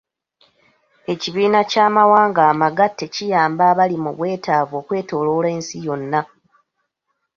Ekibiina ky'amawanga amagatte kiyamba abali mu bwetaavu okwetooloola ensi yonna.